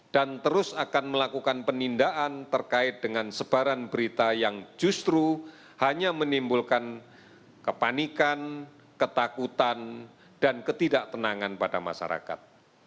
dan terus akan melakukan penindaan terkait dengan sebaran berita yang justru hanya menimbulkan kepanikan ketakutan dan ketidaktenangan pada masyarakat